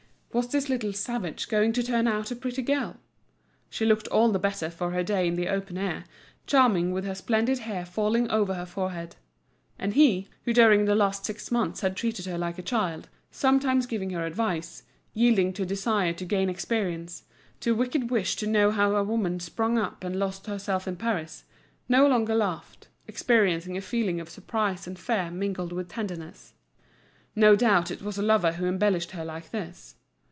Was this little savage going to turn out a pretty girl? She looked all the better for her day in the open air, charming with her splendid hair falling over her forehead. And he, who during the last six months had treated her like a child, sometimes giving her advice, yielding to a desire to gain experience, to a wicked wish to know how a woman sprung up and lost herself in Paris, no longer laughed, experiencing a feeling of surprise and fear mingled with tenderness. No doubt it was a lover who embellished her like this.